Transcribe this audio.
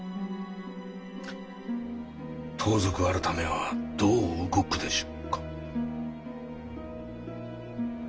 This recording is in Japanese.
盗賊改はどう動くでしょうか？